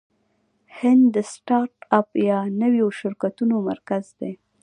هند د سټارټ اپ یا نویو شرکتونو مرکز دی.